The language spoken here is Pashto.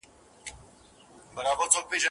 نه یې مینه سوای له زړه څخه شړلای